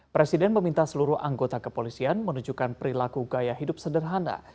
presiden meminta seluruh anggota kepolisian menunjukkan perilaku gaya hidup sederhana